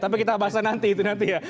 tapi kita bahas nanti itu nanti ya